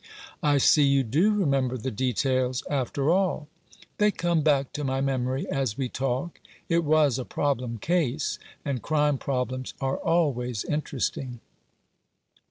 " I see you do remember the details, after all." "They come back to my memory as we talk. It was a problem case — and crime problems are always interesting."